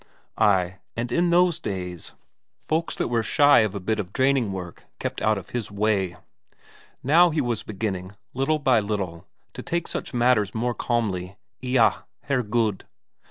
Ay, and in those days, folk that were shy of a bit of draining work kept out of his way. Now he was beginning, little by little, to take such matters more calmly; eyah, Herregud!